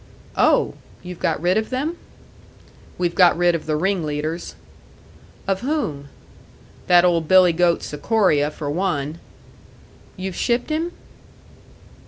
"Oh! You've got rid of them?" "We've got rid of the ring leaders." "Of whom?" "That old billy goat, Sikoria, for one." "You've shipped him?"